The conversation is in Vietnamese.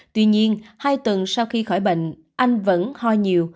tuy nhiên hai tuần sau khi khỏi bệnh anh vẫn ho nhiều